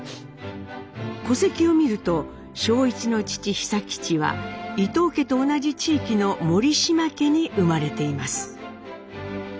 戸籍を見ると正一の父久吉は伊藤家と同じ地域の森嶋家に生まれています。